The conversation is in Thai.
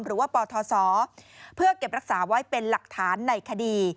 ปทศเพื่อเก็บรักษาไว้เป็นหลักฐานในคดี